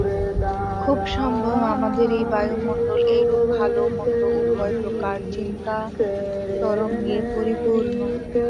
খুব সম্ভব আমাদের এই বায়ুমণ্ডল এইরূপ ভাল-মন্দ উভয় প্রকার চিন্তাতরঙ্গে পরিপূর্ণ।